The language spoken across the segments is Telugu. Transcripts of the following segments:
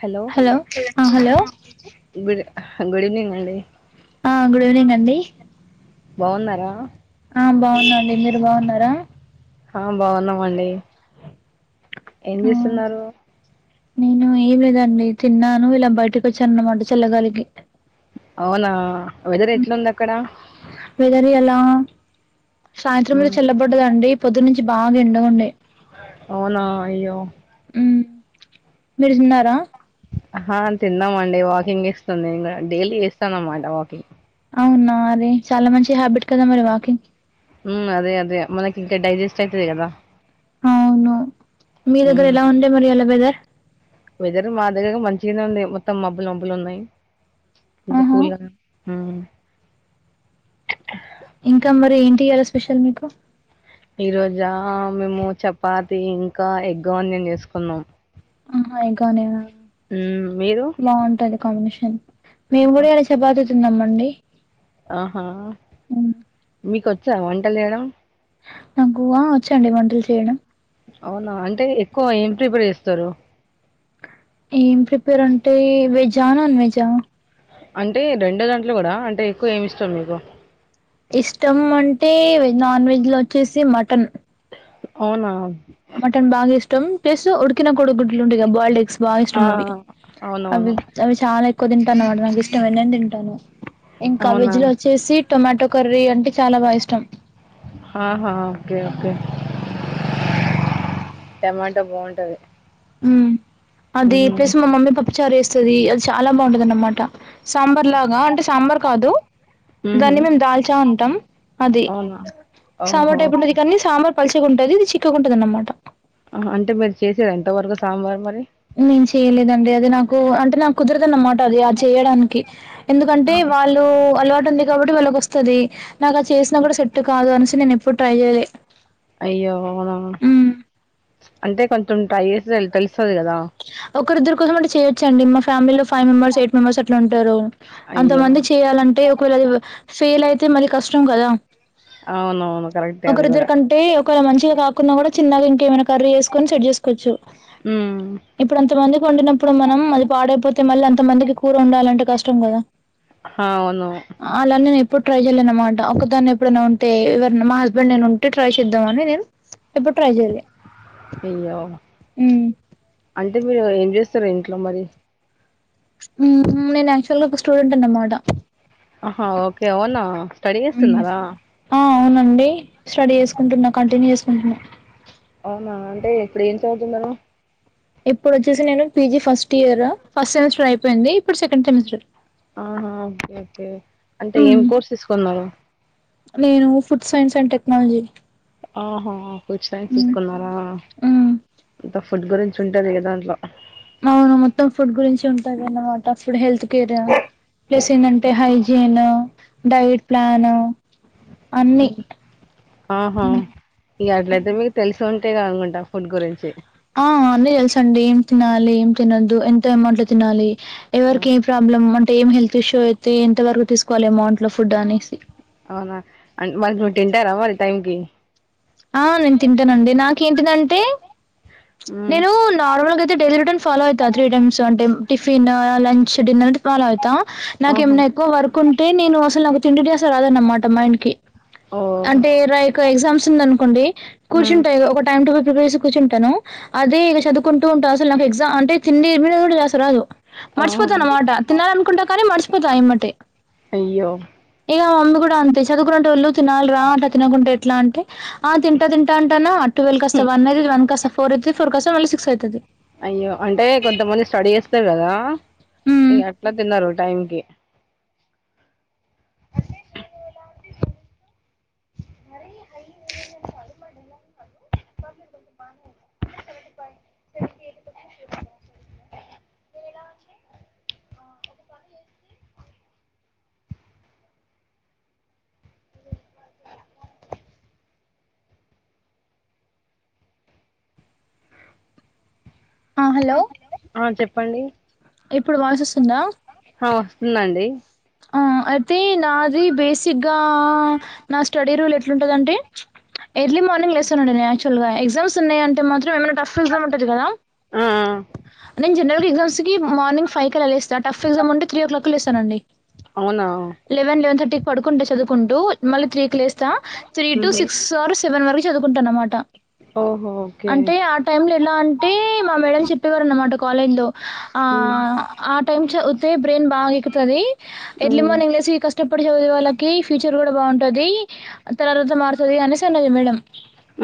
హలో ఆ హలో గుడి గుడ్ ఈవినింగ్ అండి ఆ గుడ్ ఈవినింగ్ అండి బావున్నారా ఆ బాగున్నాండి మీరు బాగున్నారా ఆ బాగున్నం అండి ఏం ఆ చేస్తున్నారు నేను ఏం లేదండి తిన్నాను ఇలా బయటకి వచ్చాను అన్నమాట చల్లగాలికి అవునా వెదర్ ఎట్లుందక్కడ ఆ సాయంత్రం మీద మ్, చెల్లబడ్డదండి పొద్దు నుంచి బాగా ఎండగుండె అవునా అయ్యో మీరు తిన్నారా ఆ తిన్నామండీ వాకింగ్ చేస్తుంది ఇంకా డైలీ చేస్తాను అనమాట వాకింగ్ అవునా అది చాలా మంచి హ్యాబిట్ కదా మరి వాకింగ్ హ్మ్ అదే అదే మనకి ఇంకా డైజెస్ట్ అయితది కదా అవును మీ దగ్గర మ్, ఎలా ఉండే మరి ఎలా వెదర్ ఈడవుంది మొత్తం మబ్బులు మబ్బులు ఉన్నాయి ఆహా కూల్ గా మ్ ఇంకా మరి ఏంటియ్యాల స్పెషల్ మీకు ఈ రోజా మేము చపాతి ఇంకా ఎగ్ ఆనియన్ చేసుకున్నాం ఆహా ఉగ్గానే మ్, మీరు బాగుంటది కాంబినేషన్ మేము కూడా ఇయ్యాలా చపాతి తిన్నాంమండి ఆహా మీకొచ్చా వంటలు చేయడం నాకు ఆ వచ్చండి వంటలు చేయడం అవునా అంటే ఎక్కువ ఏం ప్రిపేర్ చేస్తారు ఏం ప్రిపేర్ అంటే వెజ్ ఆ నాన్ వెజ్ ఆ అంటే రెండో దాంట్లో కూడా అంటే ఎక్కువ ఏమి ఇస్తార్ మీకు ఇష్టం అంటే వె నాన్ వెజ్ లో వచ్చేసి మటన్ అవునా మటన్ బాగా ఇష్టం ప్లస్ ఉడికి ఉడికిన కోడుగుడ్లు ఉండే కదా బాయిల్డ్ ఎగ్స్ బాగా ఆ ఇష్టం అవి అవునవును అవి అవి చాలా ఎక్కువ తింటాను అనమాట నాకు ఇష్టమైనన్ని తింటాను ఇంకా అవునా వెజ్ లో వచ్చేసి టొమాటో కర్రీ అంటే చాలా బాగా ఇష్టం ఆహా ఓకే ఓకే టమాటా బాగుంటది ఉమ్ అది మ్మ్ ప్లస్ మా మమ్మీ పప్పు చారు చేస్తది అది చాలా బాగుంటది అన్నమాట సాంబార్ లాగా అంటే సాంబార్ కాదు మ్మ్ దాన్ని మేము దాల్చా అంటాం అది అవునా ఓహో సాంబార్ టైప్ ఉంటది ఆహా! కానీ సాంబార్ పలిచగా ఉంటది ఇది చిక్కగా ఉంటది అనమాట ఆ అంటే మీరు చేసారా ఇంత వరకు సాంబార్ మరి నేను చేయలేదండి అది నాకు అంటే నాకు కుదరదన్నమాట అది అలా చేయడానికి ఆ! ఎందుకంటే వాళ్ళు అలవాటు ఉంది కాబట్టి వాళ్ళకి వస్తది నాకు అది చేసినా కూడా సెట్ కాదు అని నేను ఎప్పుడు ట్రై చేయాలే అయ్యో అవునా అంటే కొంత కొంచం ట్రై చేస్తే తెలుస్తది కదా వచ్చండి మా ఫ్యామిలిలో ఫైవ్ మెంబర్స్ ఎయిట్ మెంబెర్స్ అట్లా ఉంటారు అయ్యో అంతమందికి చేయాలంటే ఒకవేళ అది ఫెయిల్ అయితే మళ్ళీ కష్టం కదా అవునవును కరెక్టే అది కూడా ఒకరిద్దరికంటే ఒక వేళ మంచిగా రాకున్నా కూడా చిన్నగా ఇంకేమైనా కర్రీ చేసుకొని సెట్ చేస్కో చ్చు మ్మ్ ఇప్పుడంత కొంతమందికి వండినప్పుడు మనం అది పాడైపోతే మళ్ళీ అంత మందికి కూర వండాలంటే కష్టం కదా ఆ అవును అలా నేను ఎప్పుడు ట్రై చేయలే అనమాట ఒకదాన్ని ఎప్పుడైనా ఉంటే ఎవరన్నా మా హస్బెండ్ నేను ఉంటే ట్రై చేద్దామని నేను ఎప్పుడు ట్రై చేయలే హ్మ్ అదే గదా మీరు ఏం చేస్తారు ఇంట్లో మరి నేను యాక్చువల్ గా ఒక స్టూడెంట్ అన్నమాట ఆహా ఓకే అవునా స్టడీ హ్మ్. చేస్తున్నారా ఆ అవునండి స్టడీ చేసుకుంటున్నా కంటిన్యూ చేసుకుంటున్నా అవునా అంటే ఎప్పుడ ఏం చదువుతుందను ఇప్పుడు వచ్చేసి నేను PG first year first semester అయిపోయింది ఇప్పుడు సెకండ్ సెమిస్టర్ ఆహా ఓకే ఓకే అంటే ఏం మ్మ్ కోర్స్ తీసుకున్నారు నేను ఫుడ్ సైన్స్ అండ్ టెక్నాలజీ ఆహా కొర్సై మ్మ్ తీసుకున్నారా మ్మ్ ఫుడ్ గురించి ఉంటది ఏ దాంట్లో అవును మొత్తం ఫుడ్ గురించి ఉంటది అన్నమాట అసలు హెల్త్ కేర్ ప్లస్ ఏంటంటే హై టిను డైట్ ప్లాన్ అన్ని ఆహా ఇక అట్లయితే మీకు తెలిసు ఉంటేగా అనుకుంట ఆ అందు తెల్స అండి ఏం తినాలి ఏం తినద్దు ఎంత అమౌంట్లో తినాలి ఆ! ఎవరికి ఏం ప్రాబ్లమ్ం అంటే ఏం హెల్త్ ఇష్యూ అయితే ఎంత వరకు తీసుకోవాలి అమౌంట్ లో ఫుడ్ అనేసి అవునా వాళ్ళు తింటారా మరి టైం క కేంటింటే హ్మ్. నేను నార్మల్గా డైలీ రూటన్ ఫాలో అయితా త్రీ టైమ్స్ అంటే టిఫిన్ లంచ్ డిన్నర్ అంటే ఫాలో అయి తా నాకు ఆహా! ఏమైనా ఎక్కువ వర్క్ ఉంటే నేను అసలు నాకు తిండి డ్యాస్ రాదు అన్నమాట మైండ్కి ఓహ్! అంటే ర ఇకు ఎగ్జామ్స్ ఉంది అనుకోండి హ్మ్. కూర్చుంటాయి ఒక టైమ్ టు ఇదేసి కూర్చుంటానా అదే ఇక చదువుకుంటూ ఉంటా అసలు నాకు ఎగ్జా అంటే తిండి మీద కూడా ధ్యాసా రాదు ఆహా! మర్చిపోతాను అన్నమాట తినాల అనుకుంటా కానీ మర్చిపోతా యమ్మటే అయ్యో! ఇక మమ్మీ కూడా అంతే చదువు కూడా ళ్ళు తినాలి రా అట తినకుంటే ఎట్లా అంటే ఆ తింటా తింటా అంటాన్నా ట్వ కాస్త వన్ అది వన్ కస్త ఫోర్ అయిది ఫోర్స్త కాస్త మళ సిక్స్ అయితది అయ్యో అంటే కొంతమంది స్టడీ చేస్తారు కదా హ్మ్ ఇక అట్లా తిన్నారు టైం కి ఆ హలో ఆ చెప్పండి ఇప్పుడు వాయిస్ వస్తుందా ఆ ఉంది అండి ఆ అయితే నాది బేసిక్గా నా స్టడీ రూల్ ఎట్లాంటదింటే ఎర్లీ మార్నిగ్ లేస్తాను అండి నేను యాక్చుల్గా ఎగ్జమ్స్ ఉన్నాయంటే మాత్రం [unintelligible] టది కదా ఆ ఆ నేను జన్రల్ ఎగ్జామ్స్కి మార్నింగ్ ఫైవ్ అల లేస్తా టఫ్ ఎగ్జామ్ త్రీ ఓ క్లాకే లేస్తా అండి అవునా లెవెన్ లెవెన్ థర్టీ కి పడుకుంటే చదువుకుంటూ మళ్ళీ త్రీ కి లేస్తా త్రీ టు ఉహు సిక్స్ ఆర్ సెవెన్ వరకు చదువుకుంటాన్నమాట అ అంటే ఆ టైమ్ లో ఎలా అంటే మా మేడం చెప్పేవారు అన్ కాలేండో ఆ ఉమ్ ఆ టైమ్ చదివితే బ్రెయిన్ బాగ ఎక్కుతది ఎర్లీ ఉమ్ మార్కింగ్ లేసి కష్టపడి చదివె వాళ్ళకి ఫ్యూచర్ కూడా బాగుంటంది తర్వాత మారుతుంది అనే చిన్నయి మేడం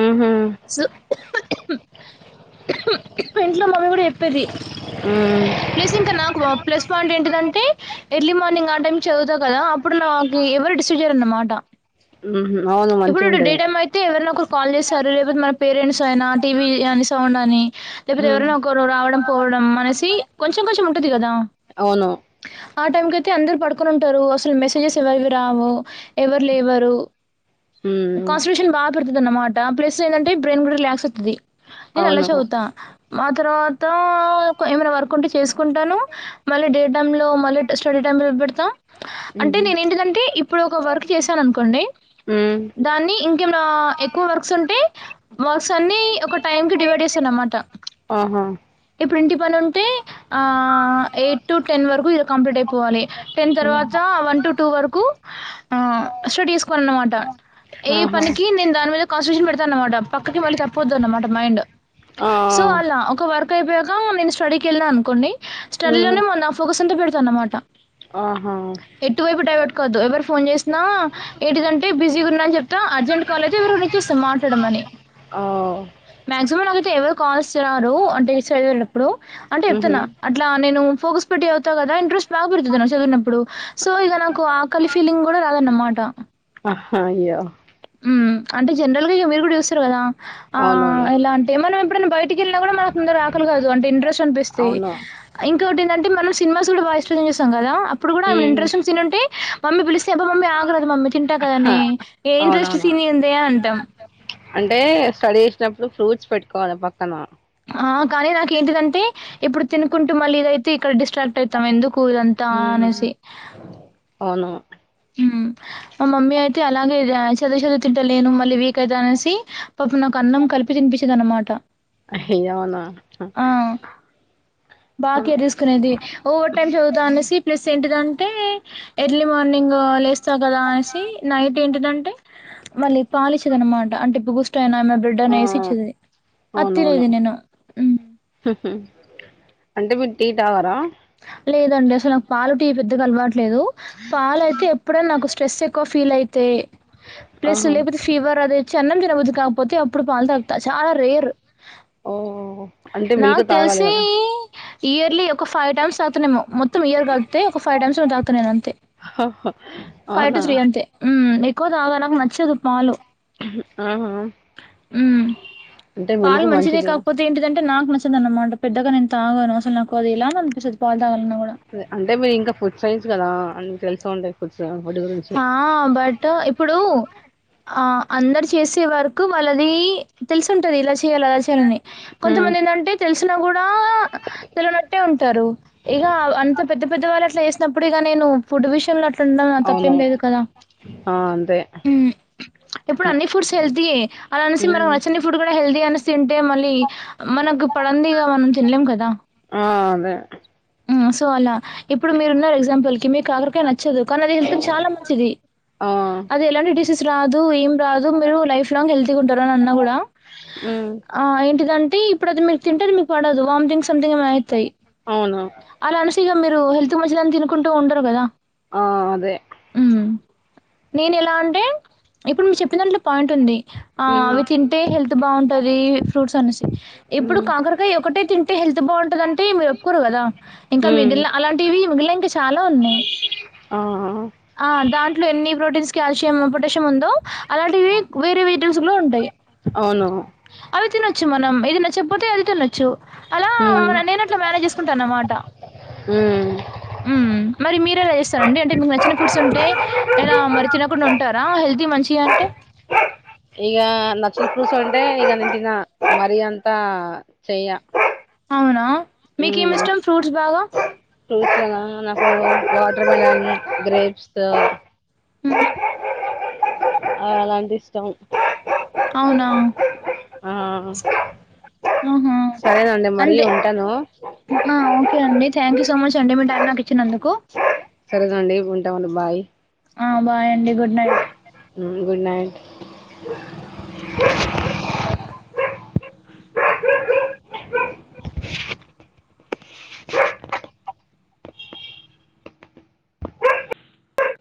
ఉహు సు ఇంట్లో మమ్మీ కూడా చెప్పేది ఉమ్ ప్లస్ ఇంకా నా ఎక్కువ ప్లస్ పాయింట్ ఏంటిదంటే ఎర్లీ మార్నింగ్ ఆ టైమ్ చదువుతా కదా అప్పుడు నాకి ఎవరు డిస్టర్బ్ చెయ్యరన్నమాట ఊహూ ఇప్పుడు డే టైమ్ అయితే ఎవరినా ఒకరు కాల్ చేస్తారు లేకపోతే మన పేరెంట్స్ అయినా టీవీ అని సౌండ్ అని లేకపోతే ఉమ్ ఎవరైనా ఒకరు రావడం పోవడం అనేసి కొంచెం కొంచెం ఉంటుంది కదా అవును ఆ టైం కి అయితే అందరు పడుకొని ఉంటారు అసలు మెసేజెస్ ఎవరివి రావు ఎవరు లేవరు ఉమ్ కాన్స్ట్రేషన్ బాగా పెరుగుతది అన్నమాట ప్లేస్ ఏంటంటే బ్రెయిన్ కూడా రిలాక్స్ అయితది నేన్ అలా అవును చదువుతా ఆ తర్వాత ఏమైనా వర్క్ ఉంటే చేసుకుంటాను మళ్ళీ డే టైమ్ లో మళ్ళీ యేస్టడే టైం టేబుల్ పెడతా అంటే ఉహు నేను ఏంటదంటే ఇప్పుడు ఒక వర్క్ చేశాను అనుకోండి ఉమ్ దాన్ని ఇంకేమన్నా ఎక్కువ వర్క్స్ ఉంటే వర్క్స్ అన్ని ఒక టైమ్ కి డివైడ్ చేస్తా అన్నమాట ఆహా ఇప్పుడు ఇంటి ఇంటి పనుంటే ఆ ఎయిట్ టు టెన్ వరకు ఇగ కంప్లీట్ అయిపోవాలి టెన్ ఉమ్ తర్వాత వన్ టెన్ టూ టూ వరకు ఆ స్టడీ చేసుకోవాలన్నమాట ఏ ఆహా పనికి నేను దాని మీద కాన్స్టిట్యూషన్ పెడతాను అన్నమాట పక్కకి మళ్ళీ తప్పొద్దు అన్నమాట మైండ్ ఆ ఆ సో అలా ఒక వర్క్ అయిపోయాక నేను స్టడీకి యెళ్ళా అనుకోండి స్టడీ లోనే ఉమ్ మరి నా ఫోకస్ అంటే పెడతా అన్నమాట ఆహా ఎటువైపు డైవట్టుకావద్దు ఎవరు ఫోన్ జేసినా ఏంటిదంటే యే బిజీగా ఉన్న అని జెప్తా అర్జెంట్ కాల్ అయితే ఎవరికన్నా ఇస్తా మాట్లాడమని ఓ మాక్సిమం నాకైతే ఎవరు కాల్స్ రారు అంటే చదివేటప్పుడు అంటే ఉహు చెప్తున్నా అట్లా నేను ఫోకస్ పెట్టి చవుతా కదా ఇంట్రెస్ట్ బాగా పెడుతుంది నాకు చదివినప్పుడు సో ఇక నాకు ఆకలి ఫీలింగ్ గూడా రాదన్నమాట ఆహా అయ్యో ఉమ్ అంటే జనరల్ గా ఇగ మీరు గూడా జూస్తురు గదా ఆ అవునవును ఎలా అంటే మనం ఎప్పుడైనా బయటికి వెళ్ళినా గూడా మన ముందర ఆకలి గాదు అంటే ఇంట్రస్ట్ చంపేస్తయి అవును ఇంకోకటి ఏందంటే మనం సినిమాస్ గూడా బాగ ఇష్టంగా చూస్తాం గదా అప్పుడు గూడా ఆ ఉమ్ ఇంట్రెస్ట్ సీన్ ఉంటే మమ్మీ పిలిస్తే అబ్బ మమ్మీ ఆగరాదు మమ్మీ తింటా హ గదనే ఏ ఇంట్రెస్ట్ అవునవును సీన్ ఏందే" అని అంటాం. అంటే స్టడీ చేసినప్పుడు ఫ్రూట్స్ పెట్టుకోవాలే పక్కన ఆ కానీ నాకు ఏంటిదంటే ఇప్పుడు తినుకుంటూ మళ్ళీ ఏదైతే ఇక్కడ డిస్ట్రాక్ట్ అయితాం ఎందుకు ఇదంతా ఉమ్ అనేసి అవును మా మమ్మీ అయితే అలాగే చదువు చదువు తింటలేను మళ్ళీ వీక్ అయితా అనేసి పాపం నాకు అన్నం కలిపి తినిపించేది అన్నమాట అయ్యో అవునా ఆ బాగ అవును కేర్ తీసుకునేది ఓవర్ టైమ్ చదువుతా అనేసి ప్లస్ ఏంటి దా [inaudible] ఎర్లీ మార్నింగ్ లేస్తా గదా అనేసి నైట్ ఏంటిదంటే మళ్ళీ పాలిచ్చేది అన్నమాట అంటే బూస్ట్ అయినా ఏమన్నా బెడ్ ఆ అయినా యేసి ఇచ్చేది అది అవునవును తినేది నేను. హ్మ్. హుహూ అంటే మీరు టీ తాగరా లేదండి అసలు నాకు పాలు టీ పెద్దగా అలవాటు లేదు పాలైతే ఎప్పుడైనా నాకు స్ట్రెస్ ఎక్కువ ఫీల్ అయితే ప్లేస్ ఆహా లేకపోతే ఫీవర్ అదై చన్నం తినబుద్ది కాకపోతే అప్పుడు పాలు తాగుతా చాలా రేరు ఆ నాకు తెలిసి ఇయర్లీ ఒక ఫైవ్ టైమ్స్ తాగుతన్నేమో మొత్తం ఇయర్ కలిపితే ఒక ఫైవ్ టైమ్ కసింటట్ దాగుతున్నానంతే హా హా ఫైవ్ టు త్రీ అంతే ఉమ్ ఎక్కువ తాగడం నచ్చదు పాలు ఆహా ఉమ్ అంటే పాలు మిల్క్ మంచిదే మంచిది కాకపోతే ఏంటిదంటే నాకు నచ్చ దన్నమాట పెద్దగా నేను తాగాను అసలు నాకు అది ఎలా అనిపిస్తది పాలు తాగాలన్నా గూడా. అంటే మీరు ఇంకా ఫుడ్ సైన్స్ కదా అని తెలిసే ఉంటాయ్ ఫుడ్స్ ఫుడ్ గురించి హ బట్ ఇప్పుడు ఆ అందరు చేసే వరకు వాళ్ళది తెలిసు ఉంటది ఇలా చేయాలని హ్మ్ కొంతమంది ఏందంటే తెలిసినా కూడా తెలివనట్టే ఉంటారు ఇ అంత పెద్ద పెద్దవాళ్ళు అట్లా చేసినప్పుడు ఇగ నేను ఫుడ్ విషయంలో అట్ల ఉండటం నా తప్పు తప్పేం అవును లేదు కదా ఆ అంతే ఇప్పుడు అన్ని ఫుడ్స్ హెల్తీ ఏ అలా అనేసి ఉమ్ నచ్చన్ది ఫుడు కూడా హెల్దీ అనేసి తింటే మళ్ళీ మనకు పడందిగా మనం తినలేం కదా ఆ అదే సో అలా ఇప్పుడు మీరు ఉన్నారు ఎగ్జాంపుల్ కి మీకు కాకరకాయ నచ్చదు అ చాలా మంచిది ఆ అది ఎలాంటి డిసీస్ రాదు ఏం రాదు మీరు లైఫ్ లాంగ్ హెల్త్ ఉంటారు అని అనా కూడా ఉమ్ ఆ ఏంటిదంటే ఇప్పుడు అది మీరు తింటే అది మీకు పడదు వామిటింగ్ సమ్థింగ్ ఏమో అయితయ్ అవును అలా అనేసిగా మీరు హెల్త్ కి మంచిదని తినుకుంటూ ఉండరు కదా ఆ అదే హ్మ్ నేను ఎలా అంటే ఇప్పుడు మీరు చెప్పిన దాంట్లో పాయింట్ ఉంది ఆ ఉమ్ అవి తింటే హెల్త్ బాగుంటది ఫ్రూట్స్ అనేసి ఇప్పుడు ఉమ్ కాకరకాయ ఒకటే తింటే హెల్త్ బాగుంటదంటే మీరు ఒప్పుకోరు కదా ఇంకా మిగిలిన‌ అలాంటి టీవి మిగిలినవి ఇంక చాలా ఉన్నాయ్ ఆ ఆ ఆ దాన్ ట్లో ఎన్ని ప్రోటీన్స్ కాల్షియం పొటాషియం ఉందో అలాంటివి వేరే వెజిటెబుల్స్ లో ఉంటాయ్ అవును అవి తినొచ్చు మనం ఇది నచ్చకపోతే అది తినొచ్చు అలా ఉమ్ మన నేనెట్లా మ్యానేజ్ కుంటా అన్నమాట హ్మ్ మరి మీరెలా చేస్తారండి అంటే మీకు నచ్చిన ఫుడ్స్ ఉంటే ఇగ మరి తినకుండా ఉంటారా హెల్తీ కి మంచిది అంటే ఇగ నచ్చని ఫ్రూట్స్ అంటే ఇగా నేన్ తిన్నా మరి అంతా చెయా అవునా మీకేమి ఇష్టం ఫ్రూట్స్ బాగా ఫ్రూట్స్ లోన నాకు వాటర్ మిలన్ గ్రేప్స్ హ్మ్ అలాంటి ఇష్టం అవునా ఆ మ్మ్ హూ సరేనండి మరి అంటే ఉంటాను ఆ ఓకే అండి థ్యాంక్ యూ సో మచ్ అండి మీ టైమ్ నాకు ఇచ్చినందుకు సరేనండి ఉంటావండి బాయ్ ఆ బాయ్ అండి గుడ్ నైట్ రైట్